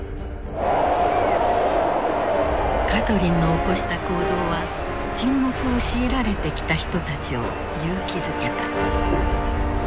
カトリンの起こした行動は沈黙を強いられてきた人たちを勇気づけた。